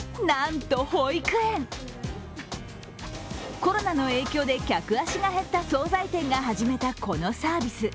コロナの影響で客足が減った惣菜店が始めたこのサービス。